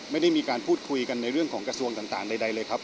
ไม่ได้มีการพูดคุยกันในเรื่องของกระทรวงต่างใดเลยครับ